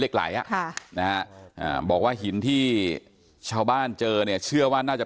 แล้วท่านผู้ชมครับบอกว่าตามความเชื่อขายใต้ตัวนะครับ